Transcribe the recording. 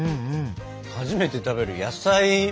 初めて食べる野菜。